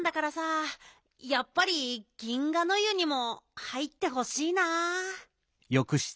やっぱり銀河ノ湯にも入ってほしいな。